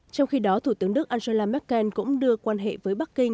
trong khi đó thủ tướng đức angela merkel cũng đưa quan hệ với bắc kinh